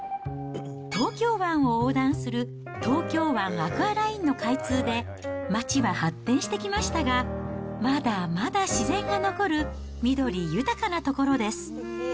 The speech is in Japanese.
東京湾を横断する東京湾アクアラインの開通で街は発展してきましたが、まだまだ自然が残る緑豊かな所です。